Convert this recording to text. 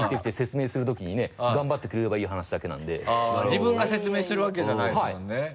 自分が説明するわけじゃないですもんね。